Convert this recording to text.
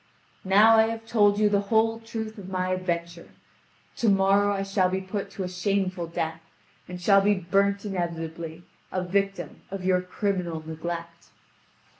Now I have told you the whole truth of my adventure. To morrow I shall be put to a shameful death, and shall be burnt inevitably, a victim of your criminal neglect."